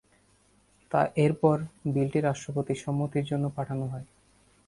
এরপর বিলটি রাষ্ট্রপতির সম্মতির জন্য পাঠানো হয়।